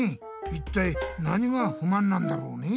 いったいなにがふまんなんだろうね。